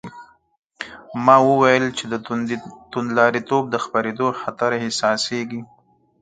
ما وویل چې د توندلاریتوب د خپرېدو خطر احساسېږي.